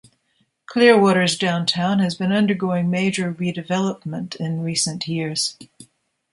Clearwater's downtown has been undergoing major redevelopment in recent years.